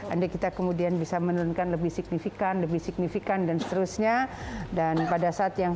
andai kita kemudian bisa menurunkan lebih signifikan lebih signifikan dan seterusnya dan pada saat yang